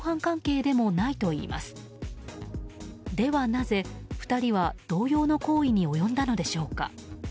ではなぜ、２人は同様の行為に及んだのでしょうか。